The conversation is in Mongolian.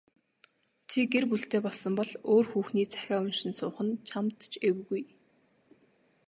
Чи гэр бүлтэй болсон бол өөр хүүхний захиа уншин суух нь чамд ч эвгүй.